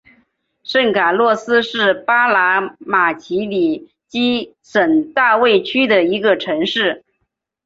圣卡洛斯是巴拿马奇里基省大卫区的一个城市。